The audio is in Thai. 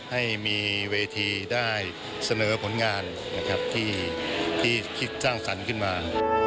ให้มีเวทีได้เสนอผลงานที่สร้างสรรค์ขึ้นมา